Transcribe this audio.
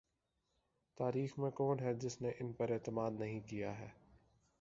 تاریخ میں کون ہے جس نے ان پر اعتماد نہیں کیا ہے۔